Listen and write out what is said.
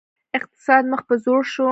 اقتصاد مخ په ځوړ شو